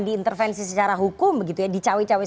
diintervensi secara hukum dicawi cawi